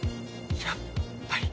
やっぱり。